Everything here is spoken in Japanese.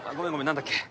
何だっけ？